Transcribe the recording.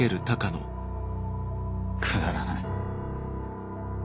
くだらない。